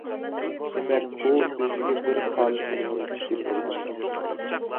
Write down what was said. دېمەك ئۇ ئۆزىگە بىر« خالىس رېمونتچى» تېپىۋالغان ئىدى.